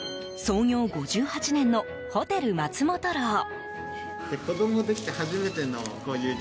創業５８年のホテル松本楼。